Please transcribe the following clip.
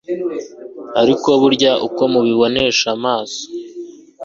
ariko burya uko mubibonesha amaso